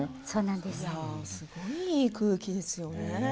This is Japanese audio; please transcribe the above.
すごいいい空気ですよね。